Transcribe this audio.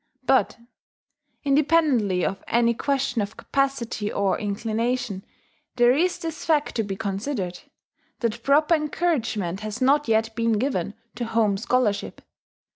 But, independently of any question of capacity or inclination, there is this fact to be considered, that proper encouragement has not yet been given to home scholarship.